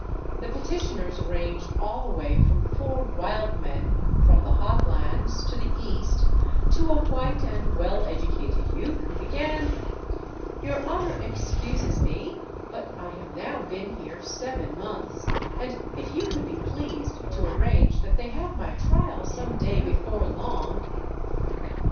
The petitioners ranged all the way from four " wildmen " from the hot lands to the east, to a white and well educated youth who began: " Your Honor excuses me, but I have now been here seven months, and if you could be pleased to arrange that they have my trial some day before long.